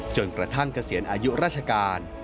จนกระทั่งเกษียณอายุราชกาล